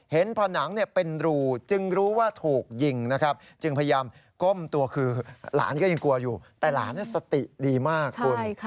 หลานก็ยังกลัวอยู่แต่หลานสติดีมากคุณ